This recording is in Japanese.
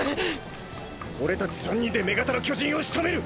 俺たち３人で女型の巨人を仕留める！